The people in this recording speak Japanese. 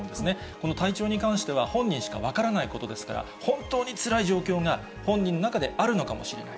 この体調に関しては、本人しか分からないことですから、本当につらい状況が本人の中にあるのかもしれない。